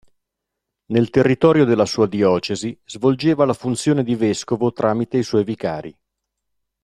Nel territorio della sua diocesi svolgeva la funzione di vescovo tramite suoi vicari.